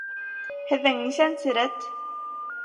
Һеҙҙең нисәнсе рәт?